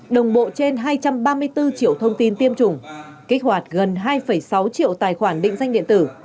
đồng bộ trên hai trăm ba mươi bốn triệu thông tin tiêm chủng kích hoạt gần hai sáu triệu tài khoản định danh điện tử